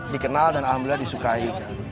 dikenal dan alhamdulillah disukai